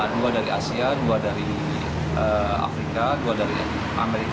dua dari asia dua dari afrika dua dari amerika